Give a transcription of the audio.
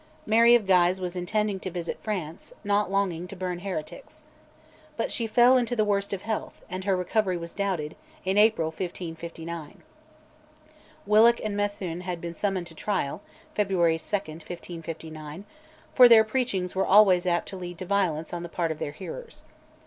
Mary of Guise was intending to visit France, not longing to burn heretics. But she fell into the worst of health, and her recovery was doubted, in April 1559. Willock and Methuen had been summoned to trial (February 2, 1559), for their preachings were always apt to lead to violence on the part of their hearers.